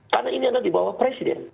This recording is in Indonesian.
karena ini ada di bawah presiden